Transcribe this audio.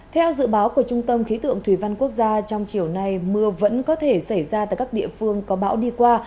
theo dự báo của trung tâm khí tượng thủy văn quốc gia trong chiều nay mưa vẫn có thể xảy ra tại các địa phương có bão đi qua